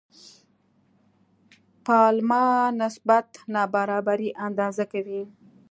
پالما نسبت نابرابري اندازه کوي.